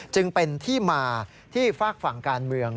จึงเป็นที่มาที่ฝากฝั่งการเมือง